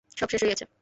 সব শেষ গেছে।